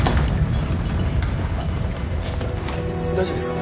大丈夫ですか？